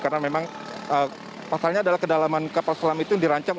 karena memang pasalnya adalah kedalaman kapal selam itu dirancang